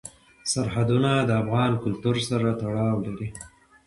سرحدونه د افغان کلتور سره تړاو لري.